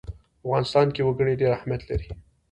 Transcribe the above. په افغانستان کې وګړي ډېر اهمیت لري.